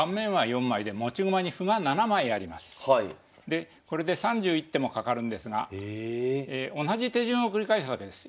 でこれで３１手もかかるんですが同じ手順を繰り返すわけです。